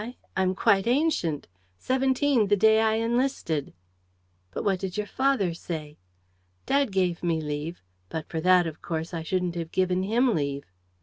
I'm quite ancient. Seventeen the day I enlisted." "But what did your father say?" "Dad gave me leave. But for that, of course, I shouldn't have given him leave."